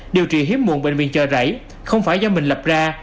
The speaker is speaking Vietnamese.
điều trị hiếm muộn bệnh viện chợ rẫy không phải do mình lập ra